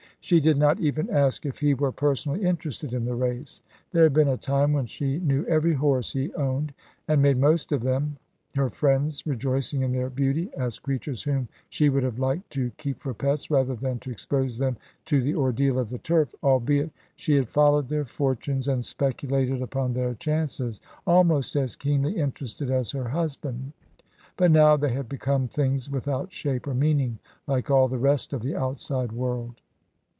She did not even ask if he were personally interested in the race. There had been a time when she knew every horse he owned, and made most of them her friends, rejoicing in their beauty as creatures whom she would have liked to keep for pets, rather than to expose them to the ordeal of the turf; albeit she had followed their fortunes, and speculated upon their chances, almost as keenly interested as her husband. But now they had become things without shape or meaning, like all the rest of the outside world.